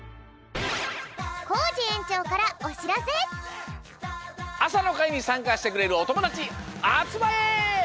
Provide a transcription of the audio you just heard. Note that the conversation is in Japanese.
だるまさんあさのかいにさんかしてくれるおともだちあつまれ！